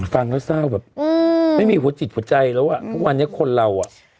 ฟังแล้วเศร้าแบบไม่มีหัวจิตหัวใจแล้วอ่ะทุกวันนี้คนเราอ่ะ